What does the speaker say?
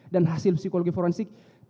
dan hasil psikologi forensik memiliki deviasi